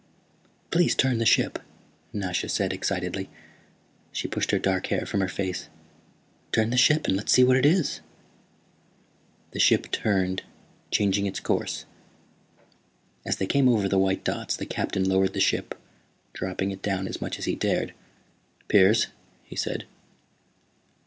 "Please turn the ship," Nasha said excitedly. She pushed her dark hair from her face. "Turn the ship and let's see what it is!" The ship turned, changing its course. As they came over the white dots the Captain lowered the ship, dropping it down as much as he dared. "Piers," he said.